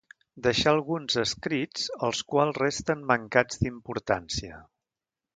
Deixà alguns escrits els quals resten mancats d'importància.